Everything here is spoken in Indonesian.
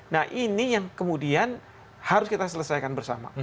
nah ini yang kemudian harus kita selesaikan bersama